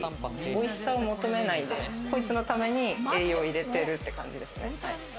おいしさは求めないんで、こいつのために栄養を入れているって感じですね。